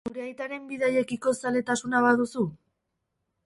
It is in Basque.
Zure aitaren bidaiekiko zaletasuna baduzu?